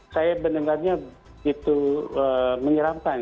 saya mendengarnya begitu menyeramkan